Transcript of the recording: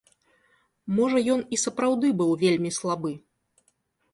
Можа ён і сапраўды быў вельмі слабы.